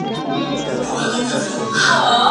زه اجازه لرم چي ښوونځی ته ولاړ سم!